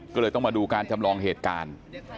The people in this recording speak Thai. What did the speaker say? ก็เลยต้องมาดูการจำลองเหตุการณ์